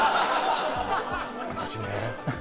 私ね